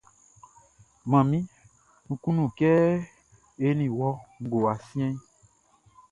Manmi, Nʼkunnu kɛ eni wɔ ngowa siɛnʼn.